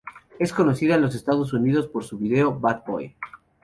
Es conocida en los Estados Unidos por su vídeo "Bad Boy".